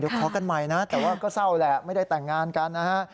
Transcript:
เดี๋ยวขอกันใหม่นะแต่ว่าก็เศร้าแหละไม่ได้แต่งงานกันนะฮะ